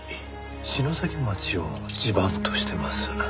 篠崎町を地盤としてます。